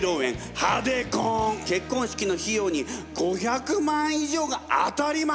結婚式の費用に５００万以上が当たり前！